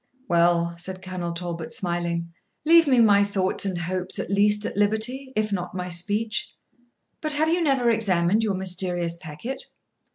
'Well,' said Colonel Talbot, smiling, 'leave me my thoughts and hopes at least at liberty, if not my speech. But have you never examined your mysterious packet?'